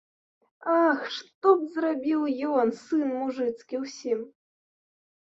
Ах, што б зрабіў ён, сын мужыцкі, усім!